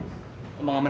kamu nggak usah dengerin